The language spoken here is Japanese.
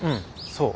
そう。